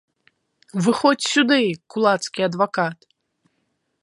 Выходзь сюды, кулацкі адвакат!